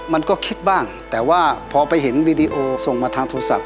มันก็คิดบ้างแต่ว่าพอไปเห็นวีดีโอส่งมาทางโทรศัพท์